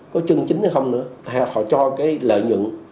có chân chính hay không nữa họ cho cái lợi nhuận